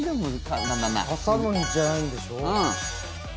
挟むんじゃないんでしょ？